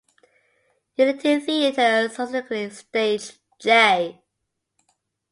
Unity Theatre subsequently staged J.